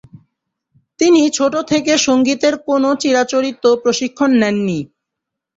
তিনি ছোট থেকে সংগীতের কোনও চিরাচরিত প্রশিক্ষণ নেননি।